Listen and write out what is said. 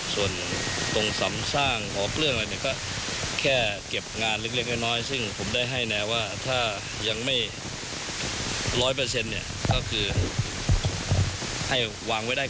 ส่วนตรงสำสร้างหอเกอร์ตเรื่องอะไรก็แค่เก็บงานเล็กน้อยซึ่งผมได้ให้แนว่าถ้ายังไม่๑๐๐เปอร์เซ็นต์ก็คือให้วางไว้ได้ก่อน